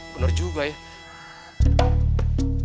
bener juga ya